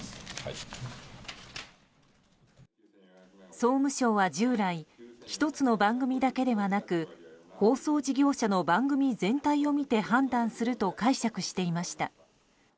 総務省は従来１つの番組だけではなく放送事業者の番組全体を見て判断すると解釈していました。